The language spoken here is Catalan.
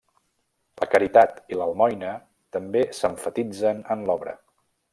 La caritat i l'almoina també s'emfatitzen en l'obra.